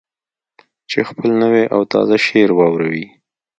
چې خپل نوی او تازه شعر واوروي.